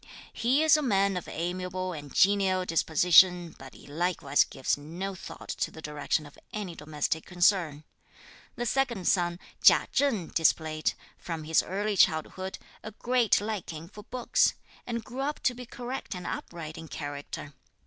He is a man of amiable and genial disposition, but he likewise gives no thought to the direction of any domestic concern. The second son Chia Cheng displayed, from his early childhood, a great liking for books, and grew up to be correct and upright in character.